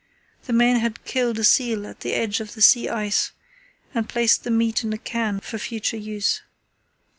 The men had killed a seal at the edge of the sea ice and placed the meat on a cairn for future use.